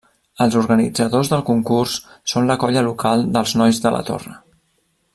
Els organitzadors del concurs són la colla local dels Nois de la Torre.